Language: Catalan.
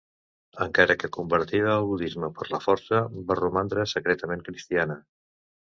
Encara que convertida al budisme per la força, va romandre secretament cristiana.